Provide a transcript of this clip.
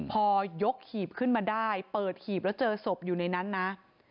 พอยกหีบขึ้นมาได้เปิดหีบแล้วเจอศพอยู่ในนั้นนะ